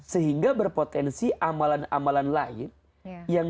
sehingga berpotensi amalan amalan lain yang sebaiknya dihadirkan ketika itu